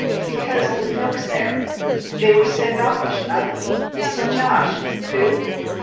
* Because of the folks there. They were standoffish and ugly. You see, Josh ' 4 Who?'